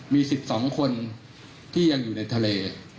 มี๑๒คนที่ยังอยู่ในทะเล